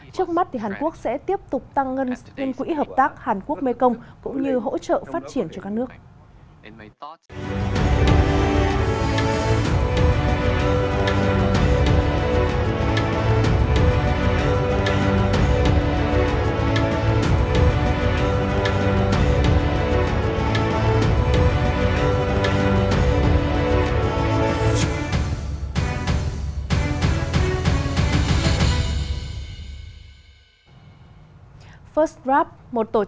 trước mắt hàn quốc sẽ tiếp tục tăng ngân tiền quỹ hợp tác hàn quốc mekong cũng như hỗ trợ phát triển cho các nước